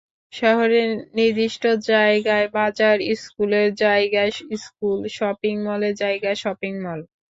শহরের নির্দিষ্ট জায়গায় বাজার, স্কুলের জায়গায় স্কুল, শপিং মলের জায়গায় শপিং মল।